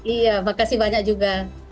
iya makasih banyak juga